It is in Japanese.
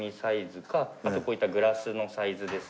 あとこういったグラスのサイズですね。